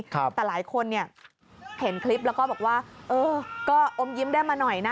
แต่หลายคนเนี่ยเห็นคลิปแล้วก็บอกว่าเออก็อมยิ้มได้มาหน่อยนะ